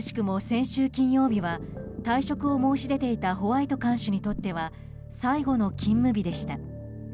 先週金曜日は退職を申し出ていたホワイト看守にとっては最後の勤務日でした。